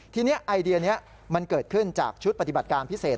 ทีนี้ไอเดียนี้มันเกิดขึ้นจากชุดปฏิบัติการพิเศษ